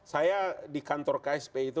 saya di kantor ksp itu